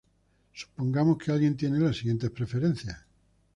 Supongamos que alguien tiene las siguientes preferencias.